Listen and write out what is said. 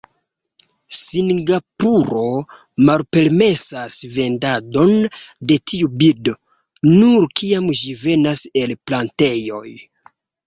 Singapuro malpermesas vendadon de tiu birdo, nur kiam ĝi venas el plantejoj.